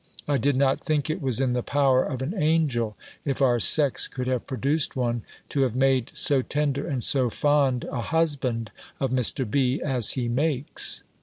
I did not think it was in the power of an angel, if our sex could have produced one, to have made so tender and so fond a husband of Mr. B. as he makes.